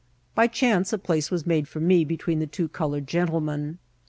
By chance a place was made for me between the two col oared gentlemen.